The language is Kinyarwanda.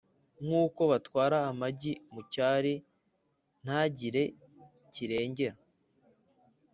nk’uko batwara amagi mu cyari, ntagire kirengera ;